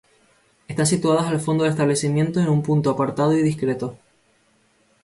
Están situados al fondo del establecimiento en un punto apartado y discreto.